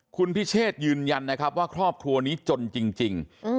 คุณพิเชษยืนยันนะครับว่าครอบครัวนี้จนจริง